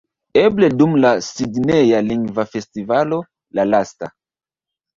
Eble dum la Sidneja Lingva Festivalo, la lasta